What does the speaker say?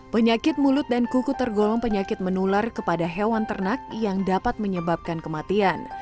penyakit mulut dan kuku tergolong penyakit menular kepada hewan ternak yang dapat menyebabkan kematian